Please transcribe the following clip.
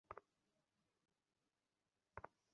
শরীরও মনে হয় ভেঙে পড়েছে।